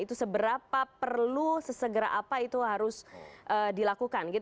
itu seberapa perlu sesegera apa itu harus dilakukan